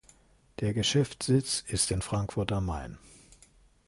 Der Geschäftssitz ist in Frankfurt am Main.